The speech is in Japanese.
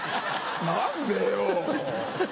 何でよ。